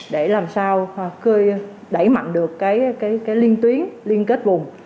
để làm sao đẩy mạnh được cái liên tuyến liên kết vùng